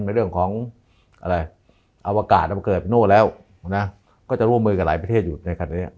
ในเรื่องของอะไรอวกาศเอามาเกิดเป็นโน่นแล้วก็จะร่วมมือกับหลายประเทศอยู่ในขณะนี้